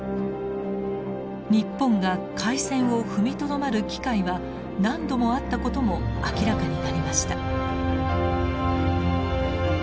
日本が開戦を踏みとどまる機会は何度もあったことも明らかになりました。